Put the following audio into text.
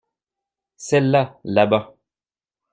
Celle-là là-bas.